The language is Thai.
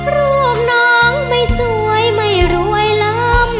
รูปน้องไม่สวยไม่รวยล้ำ